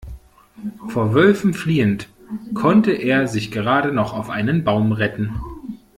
Vor Wölfen fliehend konnte er sich gerade noch auf einen Baum retten.